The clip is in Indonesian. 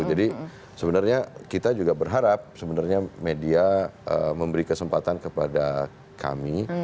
jadi sebenarnya kita juga berharap sebenarnya media memberi kesempatan kepada kami